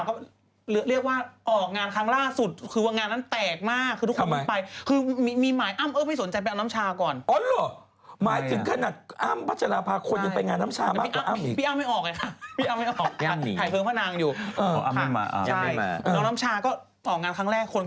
เวลาสั่งเขาเออเฮียครับขอร้องกัน